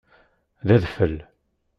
D adfel.